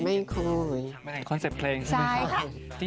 ภาพไม่เห็นความคลุม